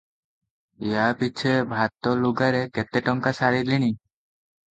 ୟା ପିଛେ ଭାତ ଲୁଗାରେ କେତେ ଟଙ୍କା ସାରିଲିଣି?